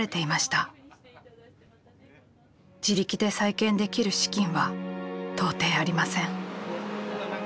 自力で再建できる資金は到底ありません。